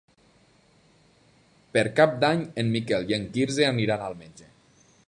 Per Cap d'Any en Miquel i en Quirze aniran al metge.